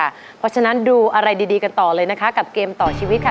เพราะฉะนั้นดูอะไรดีกันต่อเลยนะคะกับเกมต่อชีวิตค่ะ